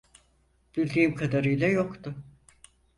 Bildiğim kadarıyla yoktu.